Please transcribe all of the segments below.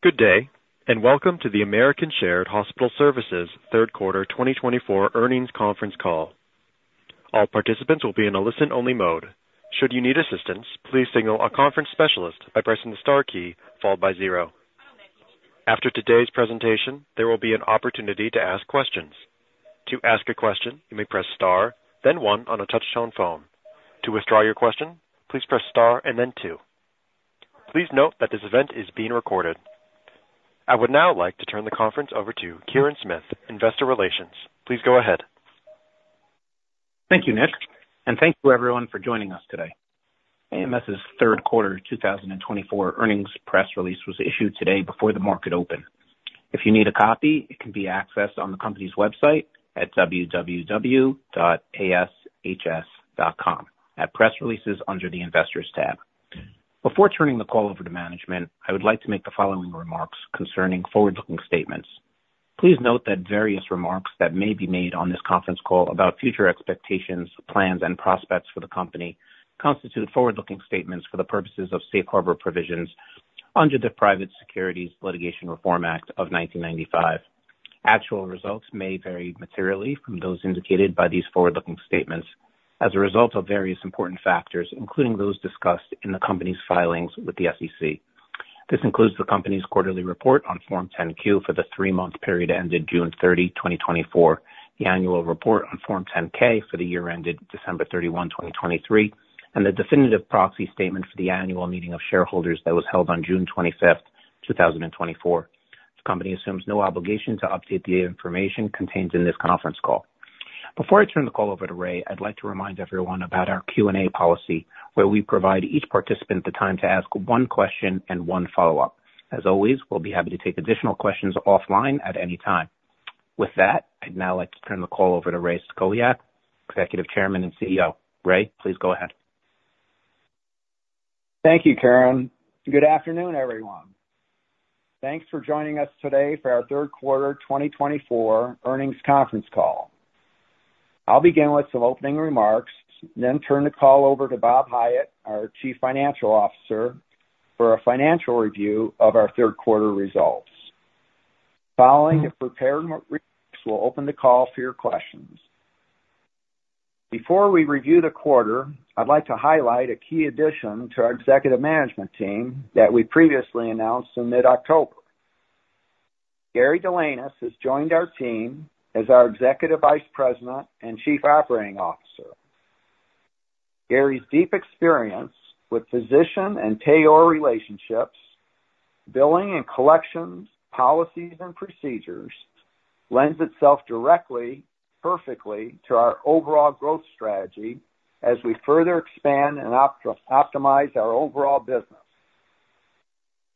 Good day, and welcome to the American Shared Hospital Services third quarter 2024 earnings conference call. All participants will be in a listen-only mode. Should you need assistance, please signal a conference specialist by pressing the star key followed by zero. After today's presentation, there will be an opportunity to ask questions. To ask a question, you may press star, then one on a touch-tone phone. To withdraw your question, please press star and then two. Please note that this event is being recorded. I would now like to turn the conference over to Kirin Smith, Investor Relations. Please go ahead. Thank you, Nick, and thank you everyone for joining us today. AMS's third quarter 2024 earnings press release was issued today before the market open. If you need a copy, it can be accessed on the company's website at www.ashs.com at Press Releases under the Investors tab. Before turning the call over to management, I would like to make the following remarks concerning forward-looking statements. Please note that various remarks that may be made on this conference call about future expectations, plans, and prospects for the company constitute forward-looking statements for the purposes of safe harbor provisions under the Private Securities Litigation Reform Act of 1995. Actual results may vary materially from those indicated by these forward-looking statements as a result of various important factors, including those discussed in the company's filings with the SEC. This includes the company's quarterly report on Form 10-Q for the three-month period ended June 30, 2024, the annual report on Form 10-K for the year ended December 31, 2023, and the definitive proxy statement for the annual meeting of shareholders that was held on June 25, 2024. The company assumes no obligation to update the information contained in this conference call. Before I turn the call over to Ray, I'd like to remind everyone about our Q&A policy, where we provide each participant the time to ask one question and one follow-up. As always, we'll be happy to take additional questions offline at any time. With that, I'd now like to turn the call over to Ray Stachowiak, Executive Chairman and CEO. Ray, please go ahead. Thank you, Kirin. Good afternoon, everyone. Thanks for joining us today for our third quarter 2024 earnings conference call. I'll begin with some opening remarks, then turn the call over to Bob Hiatt, our Chief Financial Officer, for a financial review of our third quarter results. Following the prepared remarks, we'll open the call for your questions. Before we review the quarter, I'd like to highlight a key addition to our executive management team that we previously announced in mid-October. Gary Delanois has joined our team as our Executive Vice President and Chief Operating Officer. Gary's deep experience with physician and payor relationships, billing and collections, policies, and procedures lends itself directly, perfectly, to our overall growth strategy as we further expand and optimize our overall business.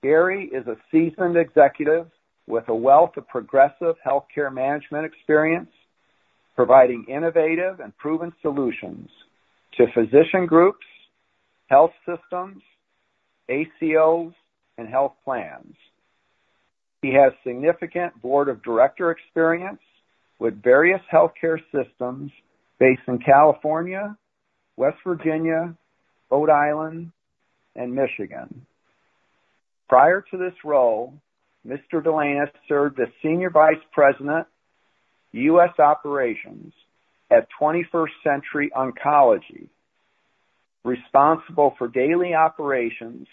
Gary is a seasoned executive with a wealth of progressive healthcare management experience, providing innovative and proven solutions to physician groups, health systems, ACOs, and health plans. He has significant board of director experience with various healthcare systems based in California, West Virginia, Rhode Island, and Michigan. Prior to this role, Mr. Delanois served as Senior Vice President, U.S. Operations at 21st Century Oncology, responsible for daily operations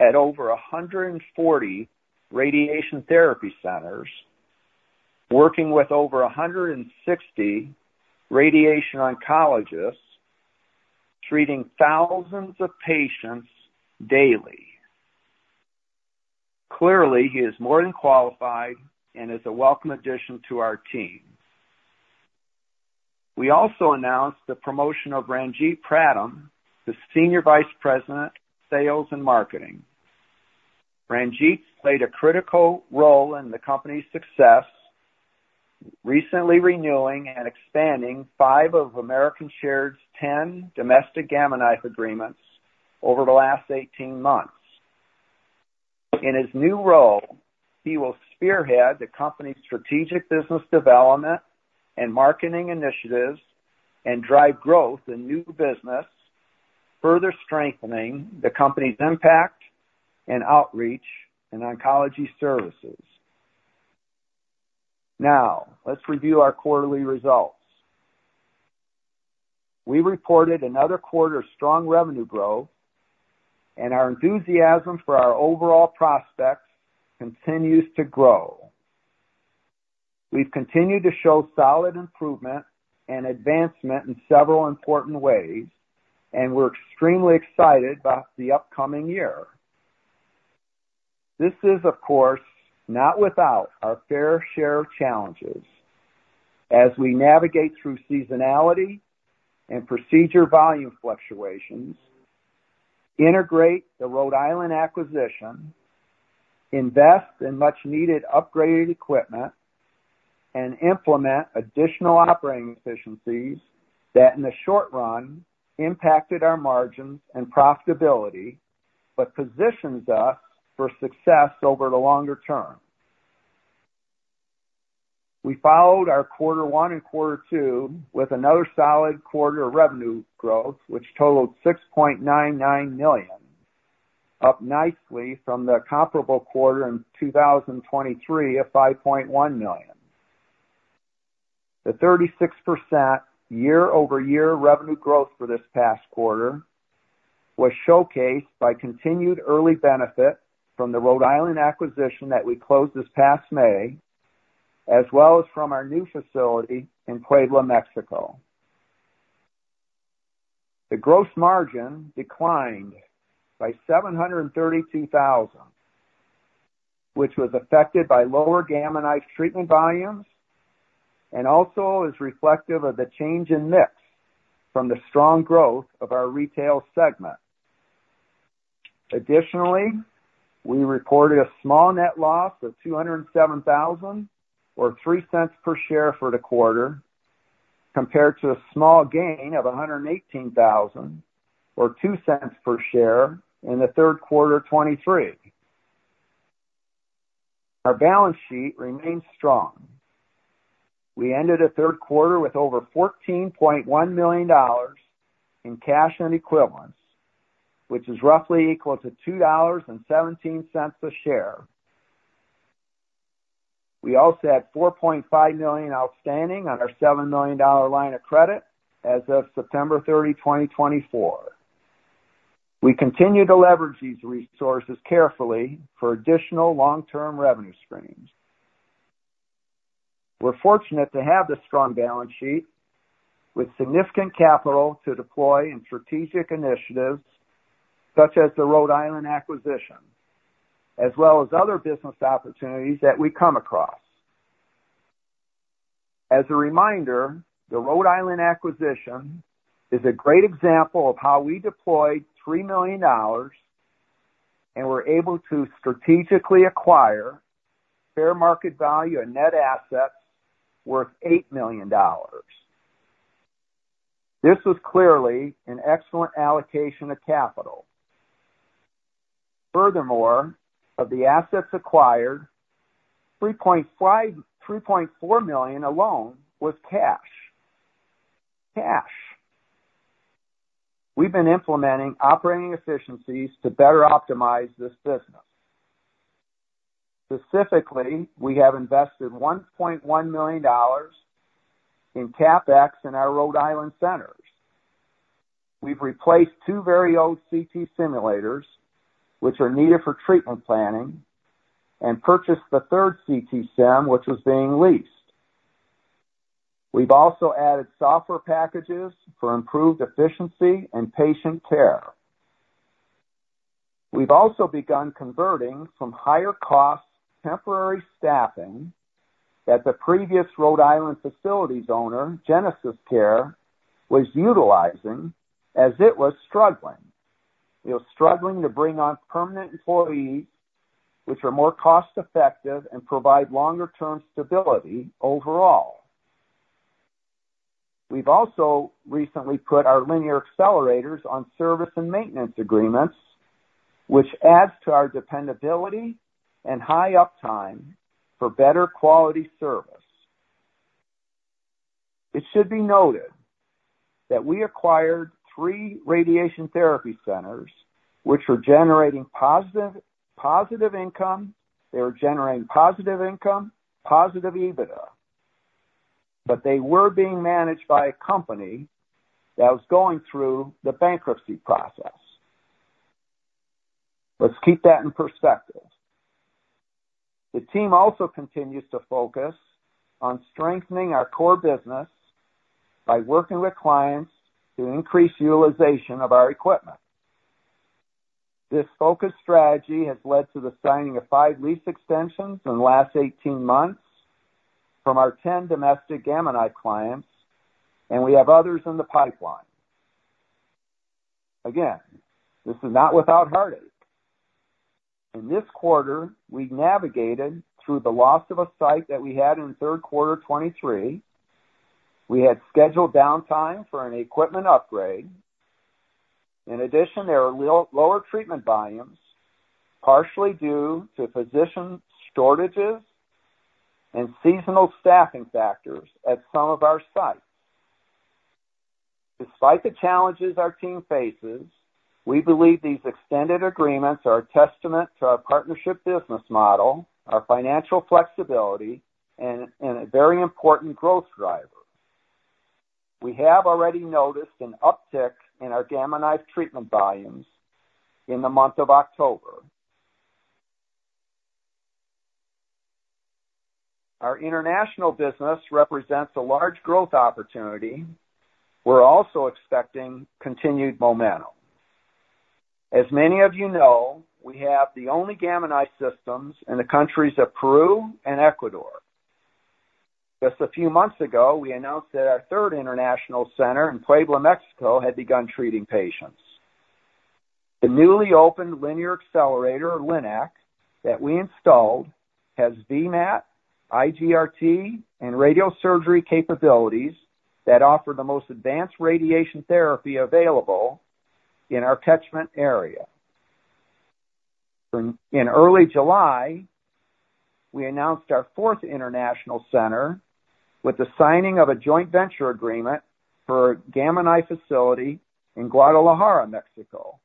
at over 140 radiation therapy centers, working with over 160 radiation oncologists, treating thousands of patients daily. Clearly, he is more than qualified and is a welcome addition to our team. We also announced the promotion of Ranjit Pradhan, the Senior Vice President, Sales and Marketing. Ranjit played a critical role in the company's success, recently renewing and expanding five of American Shared's 10 domestic Gamma Knife agreements over the last 18 months. In his new role, he will spearhead the company's strategic business development and marketing initiatives and drive growth in new business, further strengthening the company's impact and outreach in oncology services. Now, let's review our quarterly results. We reported another quarter strong revenue growth, and our enthusiasm for our overall prospects continues to grow. We've continued to show solid improvement and advancement in several important ways, and we're extremely excited about the upcoming year. This is, of course, not without our fair share of challenges. As we navigate through seasonality and procedure volume fluctuations, integrate the Rhode Island acquisition, invest in much-needed upgraded equipment, and implement additional operating efficiencies that in the short run impacted our margins and profitability, but positions us for success over the longer term. We followed our quarter one and quarter two with another solid quarter of revenue growth, which totaled $6.99 million, up nicely from the comparable quarter in 2023 of $5.1 million. The 36% year-over-year revenue growth for this past quarter was showcased by continued early benefit from the Rhode Island acquisition that we closed this past May, as well as from our new facility in Puebla, Mexico. The gross margin declined by $732,000, which was affected by lower Gamma Knife treatment volumes and also is reflective of the change in mix from the strong growth of our retail segment. Additionally, we reported a small net loss of $207,000 or $0.03 per share for the quarter, compared to a small gain of $118,000 or $0.02 per share in the third quarter 2023. Our balance sheet remains strong. We ended a third quarter with over $14.1 million in cash and equivalents, which is roughly equal to $2.17 a share. We also had $4.5 million outstanding on our $7 million line of credit as of September 30, 2024. We continue to leverage these resources carefully for additional long-term revenue streams. We're fortunate to have this strong balance sheet with significant capital to deploy in strategic initiatives such as the Rhode Island acquisition, as well as other business opportunities that we come across. As a reminder, the Rhode Island acquisition is a great example of how we deployed $3 million and were able to strategically acquire fair market value and net assets worth $8 million. This was clearly an excellent allocation of capital. Furthermore, of the assets acquired, $3.4 million alone was cash. Cash. We've been implementing operating efficiencies to better optimize this business. Specifically, we have invested $1.1 million in CapEx in our Rhode Island centers. We've replaced two very old CT simulators, which are needed for treatment planning, and purchased the third CT sim, which was being leased. We've also added software packages for improved efficiency and patient care. We've also begun converting from higher-cost temporary staffing that the previous Rhode Island facilities owner, GenesisCare, was utilizing as it was struggling. We were struggling to bring on permanent employees, which are more cost-effective and provide longer-term stability overall. We've also recently put our linear accelerators on service and maintenance agreements, which adds to our dependability and high uptime for better quality service. It should be noted that we acquired three radiation therapy centers, which were generating positive income. They were generating positive income, positive EBITDA, but they were being managed by a company that was going through the bankruptcy process. Let's keep that in perspective. The team also continues to focus on strengthening our core business by working with clients to increase utilization of our equipment. This focused strategy has led to the signing of five lease extensions in the last 18 months from our 10 domestic Gamma Knife clients, and we have others in the pipeline. Again, this is not without heartache. In this quarter, we navigated through the loss of a site that we had in third quarter 2023. We had scheduled downtime for an equipment upgrade. In addition, there are lower treatment volumes, partially due to physician shortages and seasonal staffing factors at some of our sites. Despite the challenges our team faces, we believe these extended agreements are a testament to our partnership business model, our financial flexibility, and a very important growth driver. We have already noticed an uptick in our Gamma Knife treatment volumes in the month of October. Our international business represents a large growth opportunity. We're also expecting continued momentum. As many of you know, we have the only Gamma Knife systems in the countries of Peru and Ecuador. Just a few months ago, we announced that our third international center in Puebla, Mexico, had begun treating patients. The newly opened linear accelerator, LINAC, that we installed has VMAT, IGRT, and radiosurgery capabilities that offer the most advanced radiation therapy available in our catchment area. In early July, we announced our fourth international center with the signing of a joint venture agreement for a Gamma Knife facility in Guadalajara, Mexico.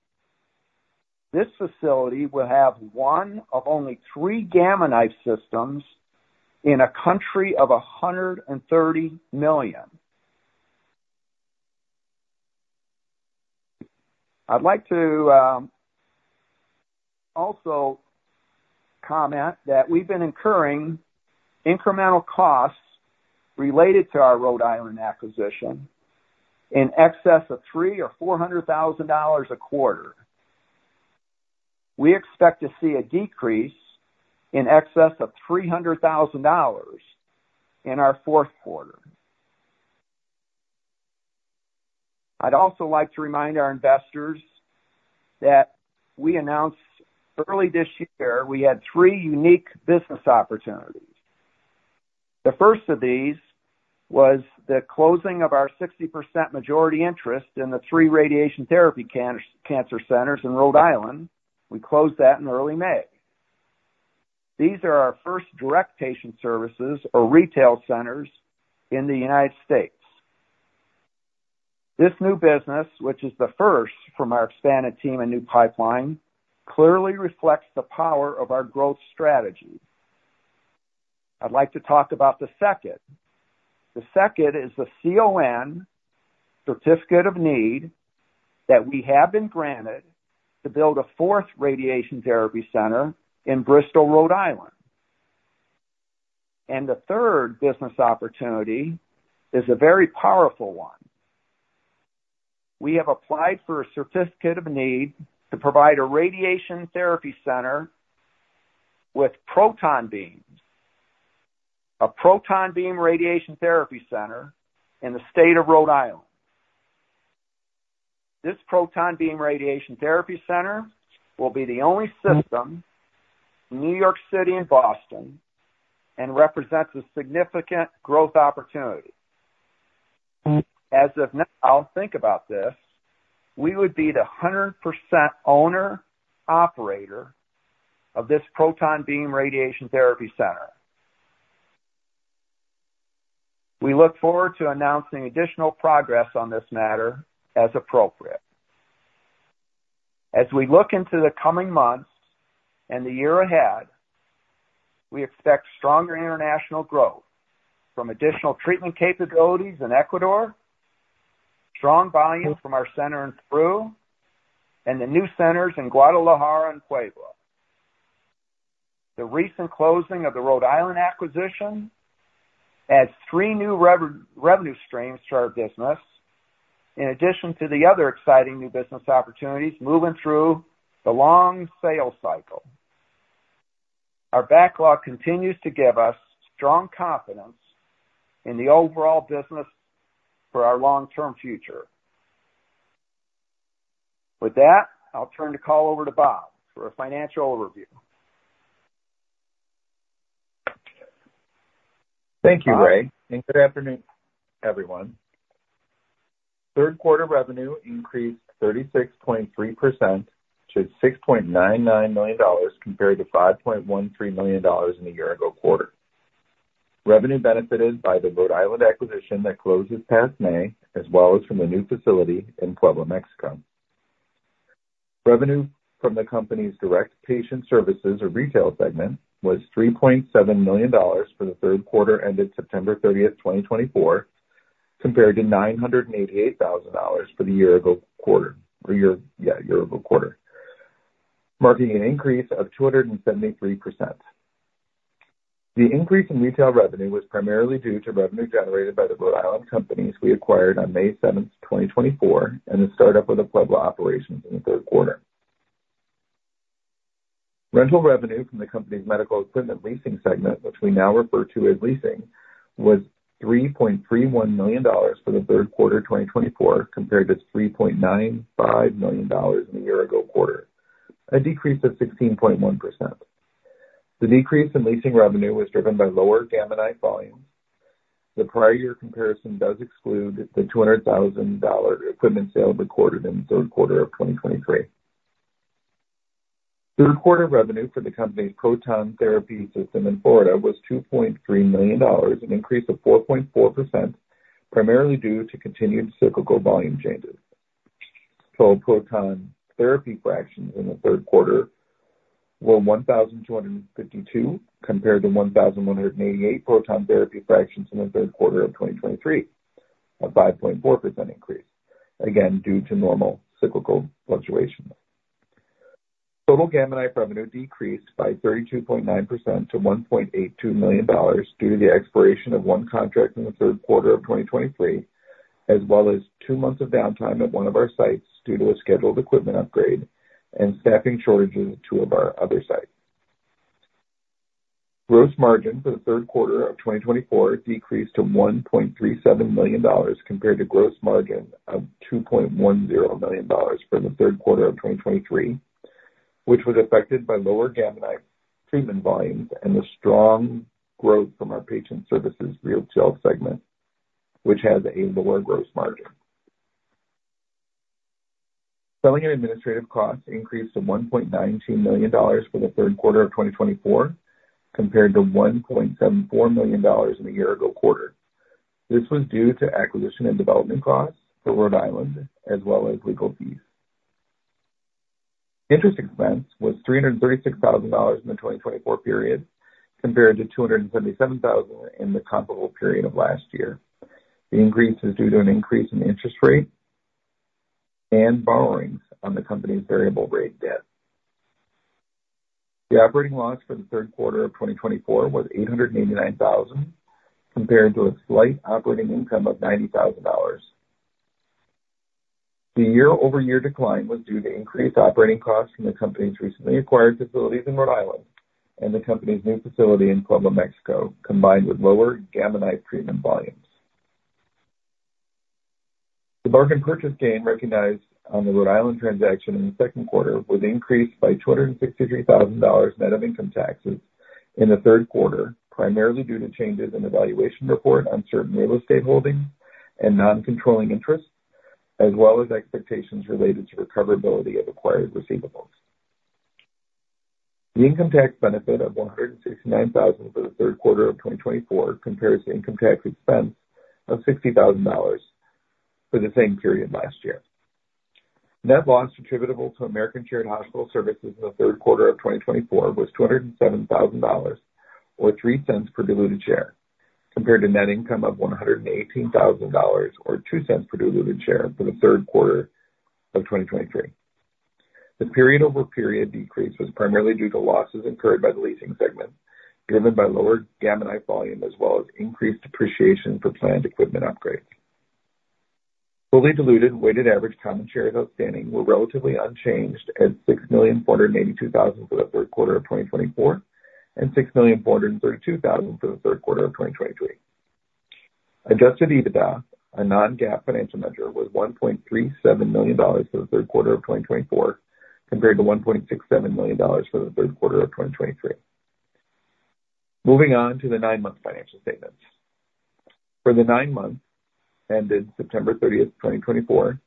This facility will have one of only three Gamma Knife systems in a country of 130 million. I'd like to also comment that we've been incurring incremental costs related to our Rhode Island acquisition in excess of $300,000 or $400,000 a quarter. We expect to see a decrease in excess of $300,000 in our fourth quarter. I'd also like to remind our investors that we announced early this year we had three unique business opportunities. The first of these was the closing of our 60% majority interest in the three radiation therapy cancer centers in Rhode Island. We closed that in early May. These are our first direct patient services or retail centers in the United States. This new business, which is the first from our expanded team and new pipeline, clearly reflects the power of our growth strategy. I'd like to talk about the second. The second is the CON Certificate of Need that we have been granted to build a fourth radiation therapy center in Bristol, Rhode Island. And the third business opportunity is a very powerful one. We have applied for a certificate of need to provide a radiation therapy center with proton beams, a proton beam radiation therapy center in the state of Rhode Island. This proton beam radiation therapy center will be the only system in New York City and Boston and represents a significant growth opportunity. As of now, think about this, we would be the 100% owner-operator of this proton beam radiation therapy center. We look forward to announcing additional progress on this matter as appropriate. As we look into the coming months and the year ahead, we expect stronger international growth from additional treatment capabilities in Ecuador, strong volume from our center in Peru, and the new centers in Guadalajara and Puebla. The recent closing of the Rhode Island acquisition adds three new revenue streams to our business, in addition to the other exciting new business opportunities moving through the long sales cycle. Our backlog continues to give us strong confidence in the overall business for our long-term future. With that, I'll turn the call over to Bob for a financial overview. Thank you, Ray, and good afternoon, everyone. Third quarter revenue increased 36.3% to $6.99 million compared to $5.13 million in the year-ago quarter. Revenue benefited by the Rhode Island acquisition that closed this past May, as well as from the new facility in Puebla, Mexico. Revenue from the company's direct patient services or retail segment was $3.7 million for the third quarter ended September 30th, 2024, compared to $988,000 for the year-ago quarter, marking an increase of 273%. The increase in retail revenue was primarily due to revenue generated by the Rhode Island companies we acquired on May 7th, 2024, and the startup of the Puebla operations in the third quarter. Rental revenue from the company's medical equipment leasing segment, which we now refer to as leasing, was $3.31 million for the third quarter 2024, compared to $3.95 million in the year-ago quarter, a decrease of 16.1%. The decrease in leasing revenue was driven by lower Gamma Knife volumes. The prior year comparison does exclude the $200,000 equipment sale recorded in the third quarter of 2023. Third quarter revenue for the company's proton therapy system in Florida was $2.3 million, an increase of 4.4%, primarily due to continued cyclical volume changes. Total proton therapy fractions in the third quarter were 1,252, compared to 1,188 proton therapy fractions in the third quarter of 2023, a 5.4% increase, again due to normal cyclical fluctuations. Total Gamma Knife revenue decreased by 32.9% to $1.82 million due to the expiration of one contract in the third quarter of 2023, as well as two months of downtime at one of our sites due to a scheduled equipment upgrade and staffing shortages at two of our other sites. Gross margin for the third quarter of 2024 decreased to $1.37 million compared to gross margin of $2.10 million from the third quarter of 2023, which was affected by lower Gamma Knife treatment volumes and the strong growth from our patient services retail segment, which has a lower gross margin. Selling and administrative costs increased to $1.92 million for the third quarter of 2024, compared to $1.74 million in the year-ago quarter. This was due to acquisition and development costs for Rhode Island, as well as legal fees. Interest expense was $336,000 in the 2024 period, compared to $277,000 in the comparable period of last year. The increase is due to an increase in interest rate and borrowings on the company's variable rate debt. The operating loss for the third quarter of 2024 was $889,000, compared to a slight operating income of $90,000. The year-over-year decline was due to increased operating costs from the company's recently acquired facilities in Rhode Island and the company's new facility in Puebla, Mexico, combined with lower Gamma Knife treatment volumes. The market purchase gain recognized on the Rhode Island transaction in the second quarter was increased by $263,000 net of income taxes in the third quarter, primarily due to changes in the valuation report on certain real estate holdings and non-controlling interest, as well as expectations related to recoverability of acquired receivables. The income tax benefit of $169,000 for the third quarter of 2024 compares to income tax expense of $60,000 for the same period last year. Net loss attributable to American Shared Hospital Services in the third quarter of 2024 was $207,000 or $0.03 per diluted share, compared to net income of $118,000 or $0.02 per diluted share for the third quarter of 2023. The period-over-period decrease was primarily due to losses incurred by the leasing segment, driven by lower Gamma Knife volume, as well as increased depreciation for planned equipment upgrades. Fully diluted weighted average common shares outstanding were relatively unchanged at $6,482,000 for the third quarter of 2024 and $6,432,000 for the third quarter of 2023. Adjusted EBITDA, a non-GAAP financial measure, was $1.37 million for the third quarter of 2024, compared to $1.67 million for the third quarter of 2023. Moving on to the nine-month financial statements. For the nine months ended September 30, 2024,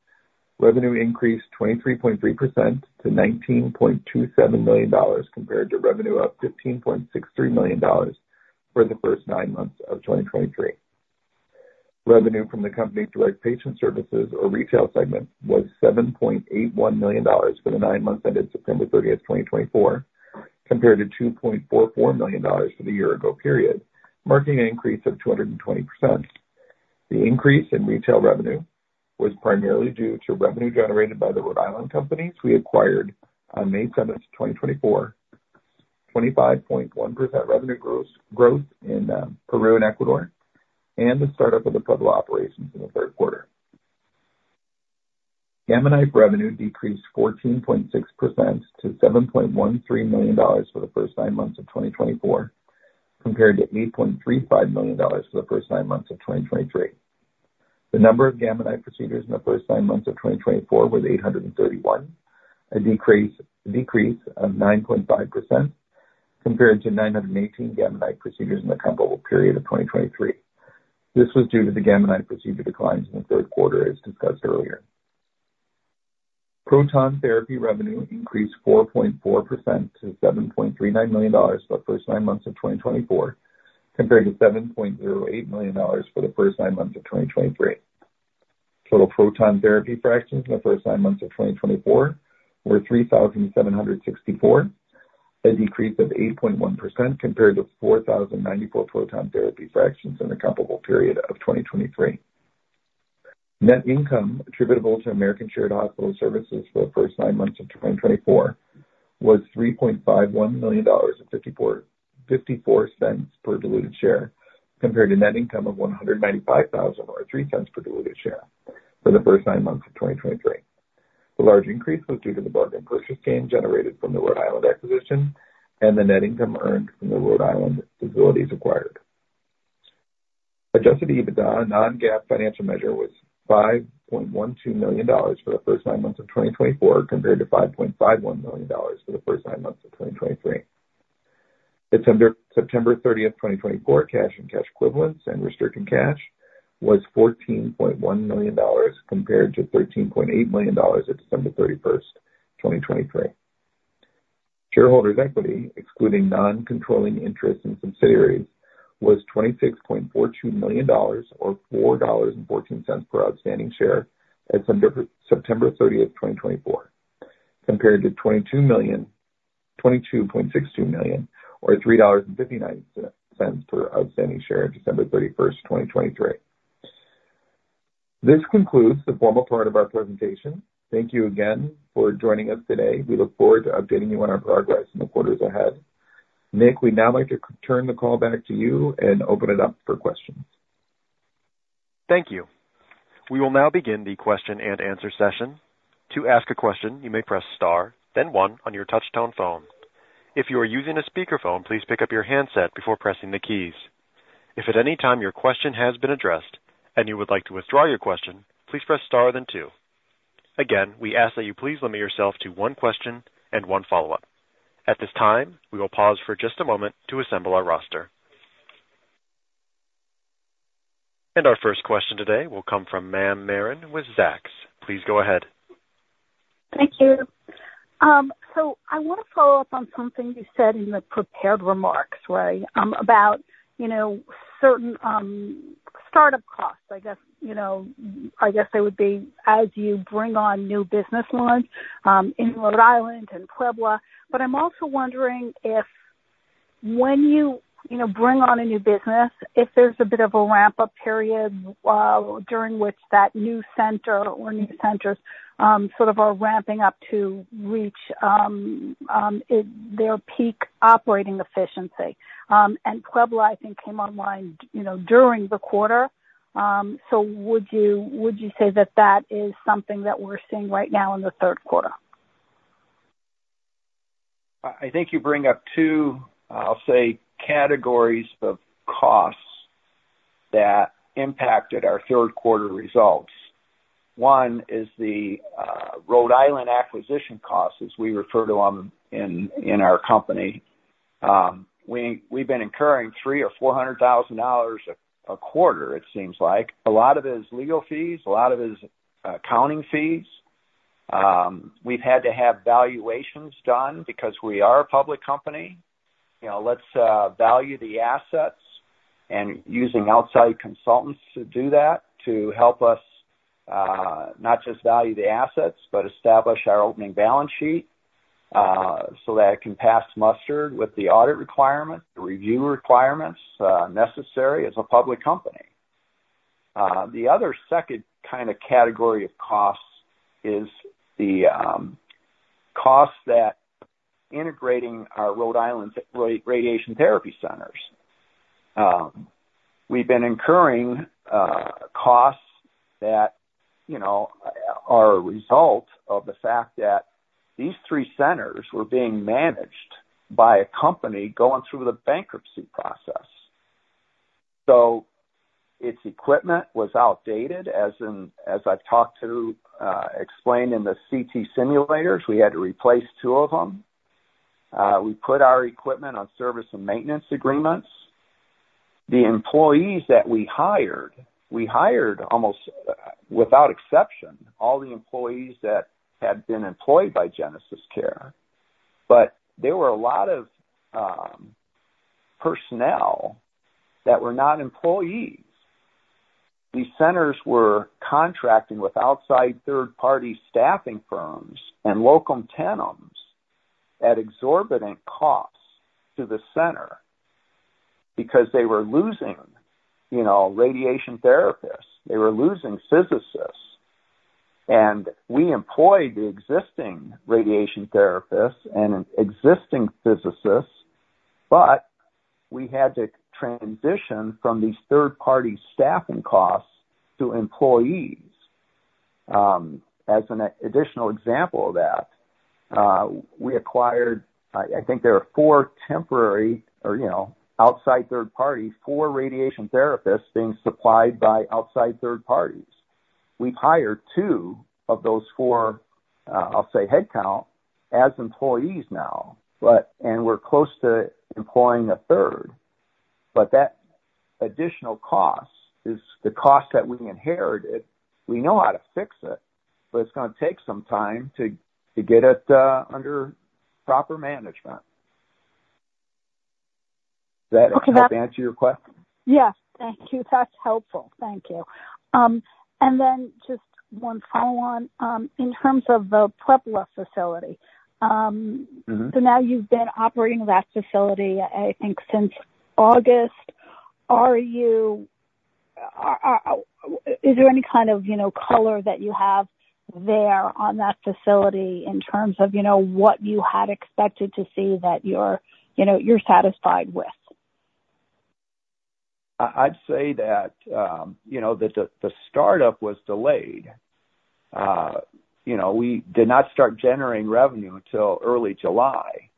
revenue increased 23.3% to $19.27 million compared to revenue of $15.63 million for the first nine months of 2023. Revenue from the company's direct patient services or retail segment was $7.81 million for the nine months ended September 30th, 2024, compared to $2.44 million for the year-ago period, marking an increase of 220%. The increase in total revenue was primarily due to revenue generated by the Rhode Island companies we acquired on May 7th, 2024, 25.1% revenue growth in Peru and Ecuador, and the startup of the Puebla operations in the third quarter. Gamma Knife revenue decreased 14.6% to $7.13 million for the first nine months of 2024, compared to $8.35 million for the first nine months of 2023. The number of Gamma Knife procedures in the first nine months of 2024 was 831, a decrease of 9.5% compared to 918 Gamma Knife procedures in the comparable period of 2023. This was due to the Gamma Knife procedure declines in the third quarter, as discussed earlier. Proton therapy revenue increased 4.4% to $7.39 million for the first nine months of 2024, compared to $7.08 million for the first nine months of 2023. Total proton therapy fractions in the first nine months of 2024 were 3,764, a decrease of 8.1% compared to 4,094 proton therapy fractions in the comparable period of 2023. Net income attributable to American Shared Hospital Services for the first nine months of 2024 was $3.51 million and $0.54 per diluted share, compared to net income of $195,000 or $0.03 per diluted share for the first nine months of 2023. The large increase was due to the market purchase gain generated from the Rhode Island acquisition and the net income earned from the Rhode Island facilities acquired. Adjusted EBITDA, a non-GAAP financial measure, was $5.12 million for the first nine months of 2024, compared to $5.51 million for the first nine months of 2023. September 30, 2024, cash and cash equivalents and restricted cash was $14.1 million compared to $13.8 million at December 31, 2023. Shareholders' equity, excluding non-controlling interest and subsidiaries, was $26.42 million or $4.14 per outstanding share at September 30th, 2024, compared to $22.62 million or $3.59 per outstanding share at December 31st, 2023. This concludes the formal part of our presentation. Thank you again for joining us today. We look forward to updating you on our progress in the quarters ahead. Nick, we'd now like to turn the call back to you and open it up for questions. Thank you. We will now begin the question and answer session. To ask a question, you may press star, then one on your touch-tone phone. If you are using a speakerphone, please pick up your handset before pressing the keys. If at any time your question has been addressed and you would like to withdraw your question, please press star then two. Again, we ask that you please limit yourself to one question and one follow-up. At this time, we will pause for just a moment to assemble our roster. And our first question today will come from Marla Marin with Zacks. Please go ahead. Thank you. So I want to follow up on something you said in the prepared remarks, Ray, about certain startup costs. I guess they would be as you bring on new business launch in Rhode Island and Puebla. But I'm also wondering if when you bring on a new business, if there's a bit of a ramp-up period during which that new center or new centers sort of are ramping up to reach their peak operating efficiency. And Puebla, I think, came online during the quarter. So would you say that that is something that we're seeing right now in the third quarter? I think you bring up two, I'll say, categories of costs that impacted our third-quarter results. One is the Rhode Island acquisition costs, as we refer to them in our company. We've been incurring $300,000 or $400,000 a quarter, it seems like. A lot of it is legal fees. A lot of it is accounting fees. We've had to have valuations done because we are a public company. Let's value the assets and use outside consultants to do that to help us not just value the assets, but establish our opening balance sheet so that it can pass muster with the audit requirements, the review requirements necessary as a public company. The other second kind of category of costs is the costs that integrating our Rhode Island radiation therapy centers. We've been incurring costs that are a result of the fact that these three centers were being managed by a company going through the bankruptcy process, so its equipment was outdated, as I've talked about, as explained in the CT simulators. We had to replace two of them. We put our equipment on service and maintenance agreements. The employees that we hired, we hired almost without exception all the employees that had been employed by GenesisCare, but there were a lot of personnel that were not employees. These centers were contracting with outside third-party staffing firms and locum tenens at exorbitant costs to the center because they were losing radiation therapists. They were losing physicists, and we employed the existing radiation therapists and existing physicists, but we had to transition from these third-party staffing costs to employees. As an additional example of that, we acquired, I think there are four temporary or outside third-party, four radiation therapists being supplied by outside third parties. We've hired two of those four, I'll say, headcount as employees now, and we're close to employing a third. But that additional cost is the cost that we inherited. We know how to fix it, but it's going to take some time to get it under proper management. Does that answer your question? Yes. Thank you. That's helpful. Thank you. And then just one follow-on in terms of the Puebla facility. So now you've been operating that facility, I think, since August. Is there any kind of color that you have there on that facility in terms of what you had expected to see that you're satisfied with? I'd say that the startup was delayed. We did not start generating revenue until early July,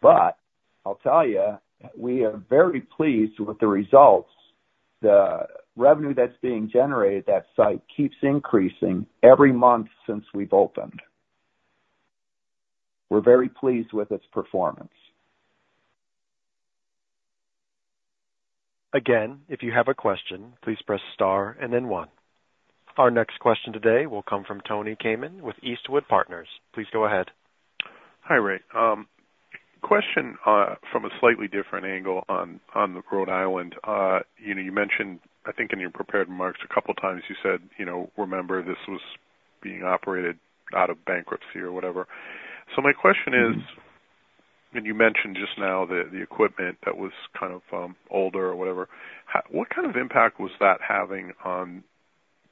but I'll tell you, we are very pleased with the results. The revenue that's being generated at that site keeps increasing every month since we've opened. We're very pleased with its performance. Again, if you have a question, please press star and then one. Our next question today will come from Tony Kamin with Eastwood Partners. Please go ahead. Hi, Ray. Question from a slightly different angle on the Rhode Island. You mentioned, I think, in your prepared remarks a couple of times, you said, "Remember, this was being operated out of bankruptcy or whatever." So my question is, when you mentioned just now the equipment that was kind of older or whatever, what kind of impact was that having on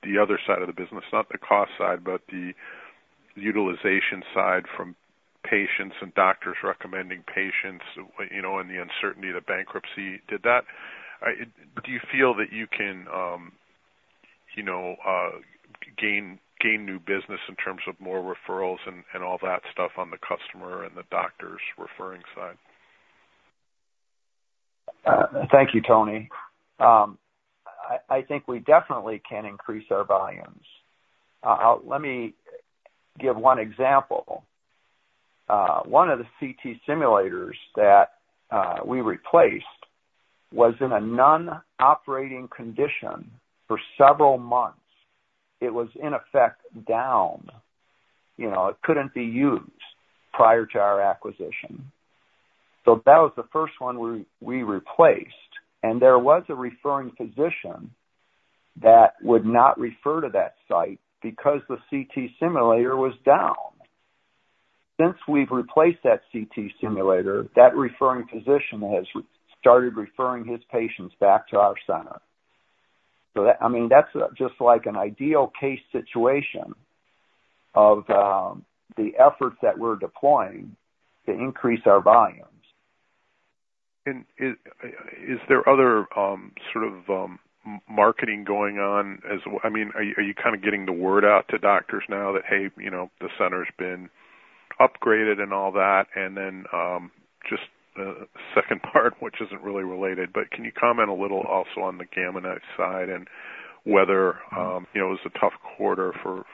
the other side of the business? Not the cost side, but the utilization side from patients and doctors recommending patients and the uncertainty of bankruptcy. Do you feel that you can gain new business in terms of more referrals and all that stuff on the customer and the doctors' referring side? Thank you, Tony. I think we definitely can increase our volumes. Let me give one example. One of the CT simulators that we replaced was in a non-operating condition for several months. It was, in effect, down. It couldn't be used prior to our acquisition. So that was the first one we replaced. And there was a referring physician that would not refer to that site because the CT simulator was down. Since we've replaced that CT simulator, that referring physician has started referring his patients back to our center. So I mean, that's just like an ideal case situation of the efforts that we're deploying to increase our volumes. And is there other sort of marketing going on? I mean, are you kind of getting the word out to doctors now that, "Hey, the center's been upgraded and all that"? And then just a second part, which isn't really related, but can you comment a little also on the Gamma Knife side and whether it was a tough quarter for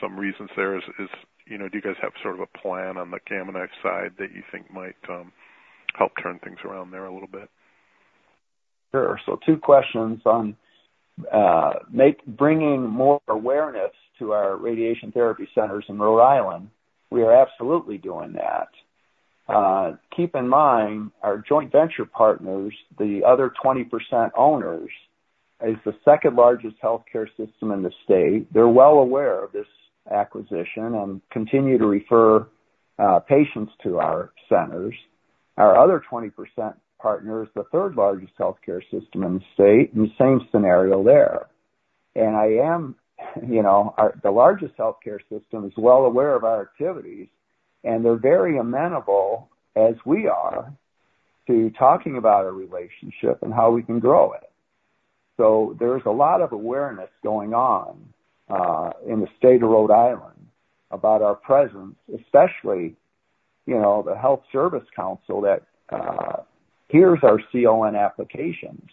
some reasons there? Do you guys have sort of a plan on the Gamma Knife side that you think might help turn things around there a little bit? Sure. So two questions on bringing more awareness to our radiation therapy centers in Rhode Island. We are absolutely doing that. Keep in mind, our joint venture partners, the other 20% owners, is the second largest healthcare system in the state. They're well aware of this acquisition and continue to refer patients to our centers. Our other 20% partner is the third largest healthcare system in the state in the same scenario there. And the largest healthcare system is well aware of our activities, and they're very amenable, as we are, to talking about our relationship and how we can grow it. So there's a lot of awareness going on in the state of Rhode Island about our presence, especially the Health Services Council that hears our CON applications.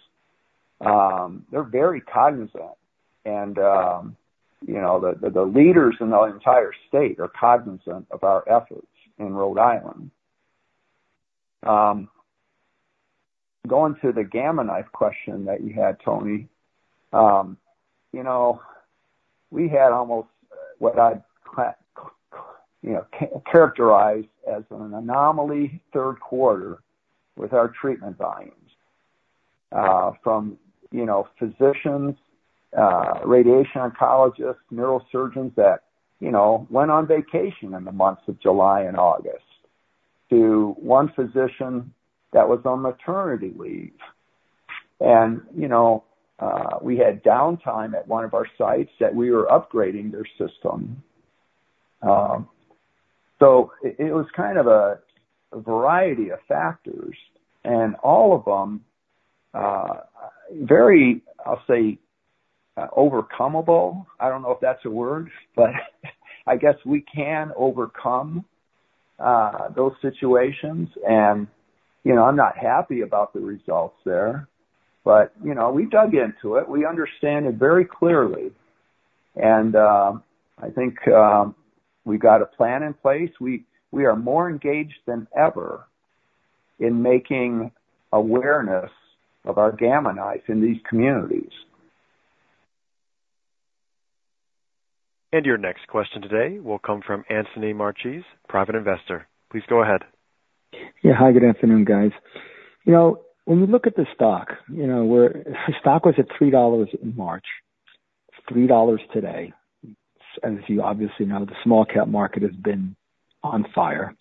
They're very cognizant. And the leaders in the entire state are cognizant of our efforts in Rhode Island. Going to the Gamma Knife question that you had, Tony, we had almost what I'd characterize as an anomaly third quarter with our treatment volumes from physicians, radiation oncologists, neurosurgeons that went on vacation in the months of July and August, to one physician that was on maternity leave, and we had downtime at one of our sites that we were upgrading their system, so it was kind of a variety of factors, and all of them very, I'll say, overcomable. I don't know if that's a word, but I guess we can overcome those situations, and I'm not happy about the results there, but we dug into it. We understand it very clearly, and I think we've got a plan in place. We are more engaged than ever in making awareness of our Gamma Knife in these communities. Your next question today will come from Anthony Marchese, private investor. Please go ahead. Yeah. Hi, good afternoon, guys. When we look at the stock, the stock was at $3 in March, $3 today. As you obviously know, the small-cap market has been on fire.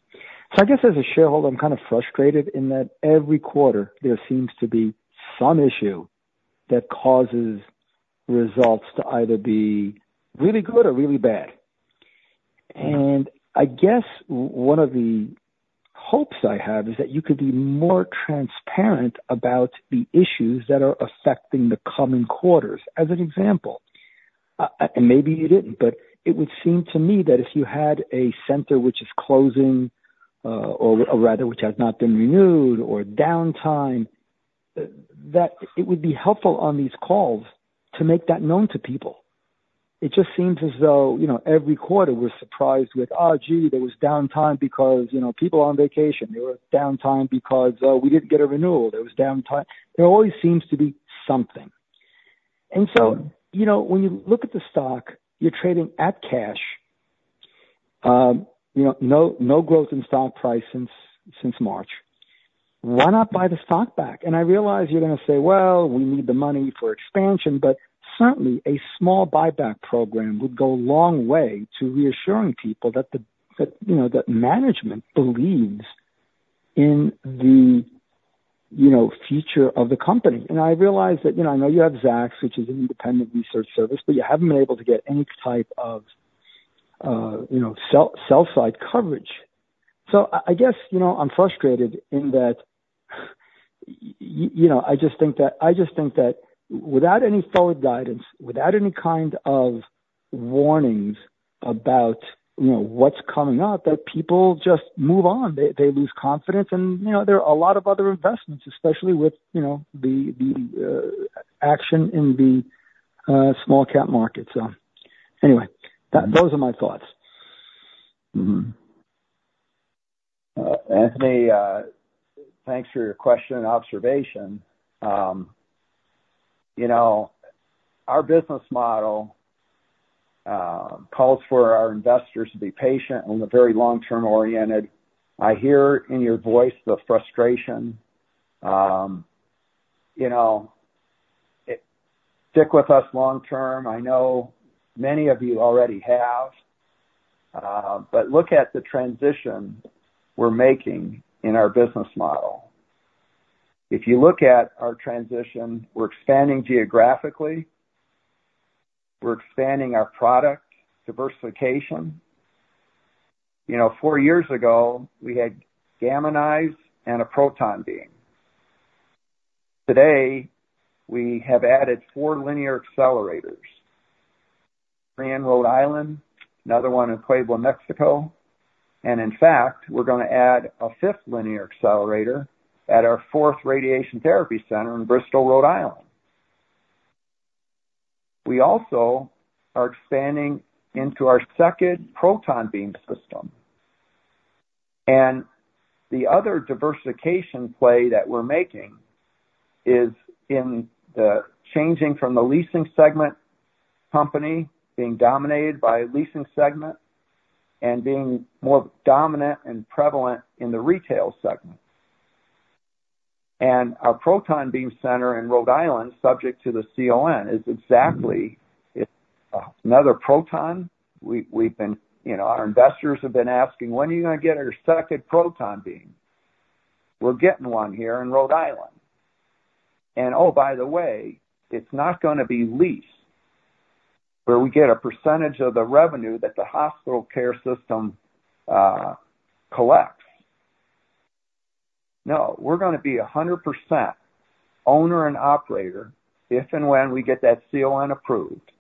So I guess as a shareholder, I'm kind of frustrated in that every quarter, there seems to be some issue that causes results to either be really good or really bad. And I guess one of the hopes I have is that you could be more transparent about the issues that are affecting the coming quarters, as an example. And maybe you didn't, but it would seem to me that if you had a center which is closing, or rather, which has not been renewed, or downtime, that it would be helpful on these calls to make that known to people. It just seems as though every quarter, we're surprised with, "Oh, gee, there was downtime because people are on vacation. There was downtime because we didn't get a renewal. There was downtime." There always seems to be something. And so when you look at the stock, you're trading at cash, no growth in stock price since March. Why not buy the stock back? And I realize you're going to say, "Well, we need the money for expansion," but certainly, a small buyback program would go a long way to reassuring people that management believes in the future of the company. And I realize that I know you have Zacks, which is an independent research service, but you haven't been able to get any type of sell-side coverage. So I guess I'm frustrated in that I just think that without any forward guidance, without any kind of warnings about what's coming up, that people just move on. They lose confidence, and there are a lot of other investments, especially with the action in the small-cap market, so anyway, those are my thoughts. Anthony, thanks for your question and observation. Our business model calls for our investors to be patient and very long-term oriented. I hear in your voice the frustration. Stick with us long-term. I know many of you already have, but look at the transition we're making in our business model. If you look at our transition, we're expanding geographically. We're expanding our product diversification. Four years ago, we had Gamma Knife and a proton beam. Today, we have added four linear accelerators: three in Rhode Island, another one in Puebla, Mexico. And in fact, we're going to add a fifth linear accelerator at our fourth radiation therapy center in Bristol, Rhode Island. We also are expanding into our second proton beam system. And the other diversification play that we're making is in the changing from the leasing segment company being dominated by a leasing segment and being more dominant and prevalent in the retail segment. Our proton beam center in Rhode Island, subject to the CON, is exactly another proton. Our investors have been asking, "When are you going to get our second proton beam?" We're getting one here in Rhode Island. And oh, by the way, it's not going to be leased where we get a percentage of the revenue that the hospital care system collects. No, we're going to be 100% owner and operator if and when we get that CON approved.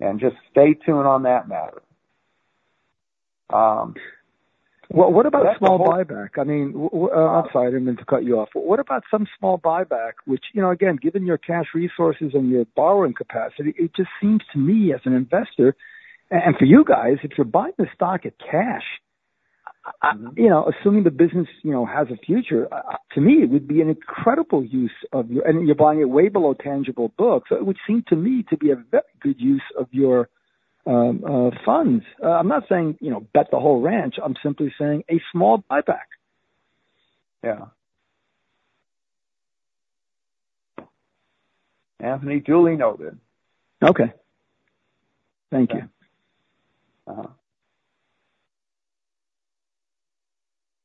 And just stay tuned on that matter. What about small buyback? I mean, I'm sorry, I didn't mean to cut you off. What about some small buyback, which, again, given your cash resources and your borrowing capacity, it just seems to me as an investor and for you guys, if you're buying the stock at cash, assuming the business has a future, to me, it would be an incredible use of your, and you're buying it way below tangible books. So it would seem to me to be a very good use of your funds. I'm not saying bet the whole ranch. I'm simply saying a small buyback. Yeah. Anthony, duly noted. Okay. Thank you.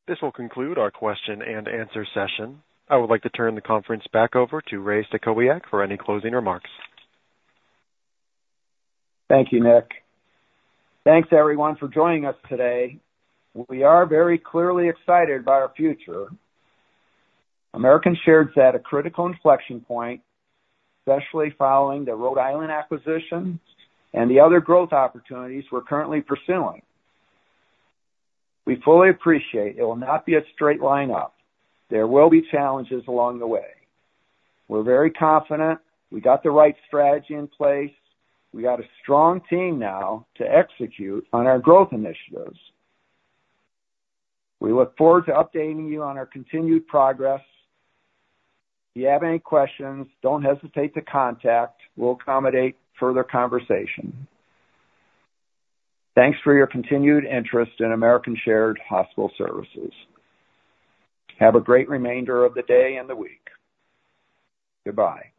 This will conclude our question and answer session. I would like to turn the conference back over to Ray Stachowiak for any closing remarks. Thank you, Nick. Thanks, everyone, for joining us today. We are very clearly excited by our future. American Shared's at a critical inflection point, especially following the Rhode Island acquisition and the other growth opportunities we're currently pursuing. We fully appreciate it will not be a straight line up. There will be challenges along the way. We're very confident we got the right strategy in place. We got a strong team now to execute on our growth initiatives. We look forward to updating you on our continued progress. If you have any questions, don't hesitate to contact. We'll accommodate further conversation. Thanks for your continued interest in American Shared Hospital Services. Have a great remainder of the day and the week. Goodbye.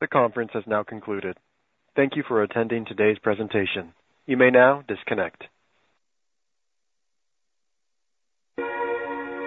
The conference has now concluded. Thank you for attending today's presentation. You may now disconnect.